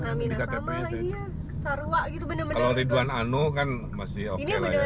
kami ketepunya cerita sarwa gitu bener bener ridwan ano kan masih oke lagi